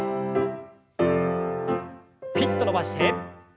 ピッと伸ばして。